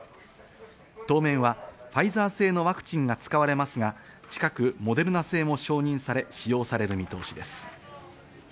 当面はファイザー製のワクチンが使われますが、近くモデルナ製も承認され使用される見通しです。